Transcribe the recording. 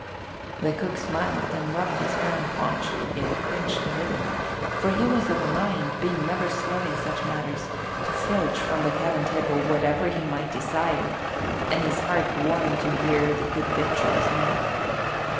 The cook smiled and rubbed his round paunch (yet cringed a little), for he was of a mind, being never slow in such matters, to filch from the cabin table whatever he might desire and his heart warmed to hear the good victuals named.